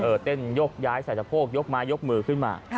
เต้นยกย้ายใส่สะโพกยกไม้ยกมือขึ้นมา